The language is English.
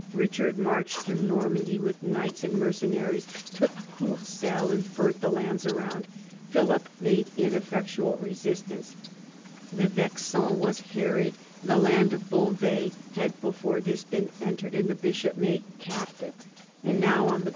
Eichard marched through Normandy with knights and mercenaries, took Courcelles, and burnt the lands around. Philip made ineffectual resistance. The Vexin was harried. The land of Beauvais had before this been entered, and the bishop made captive ; and now, on the 62 PHILIP AUGUSTUS chap.